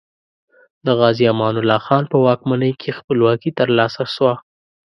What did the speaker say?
د غازي امان الله خان په واکمنۍ کې خپلواکي تر لاسه شوه.